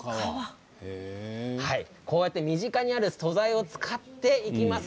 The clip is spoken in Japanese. こうやって身近にある素材を使っていきます。